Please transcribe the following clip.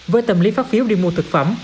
với tâm lý phát phiếu đi mua thực phẩm